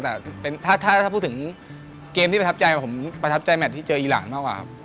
แต่ถ้าพูดถึงเกมที่ประทับใจผมประทับใจแมทที่เจออีรานมากกว่าครับ